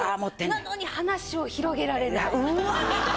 なのに、話を広げられない。